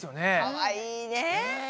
かわいいね！